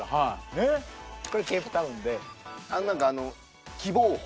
これケープタウンで何か喜望峰？